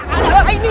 ada apa ini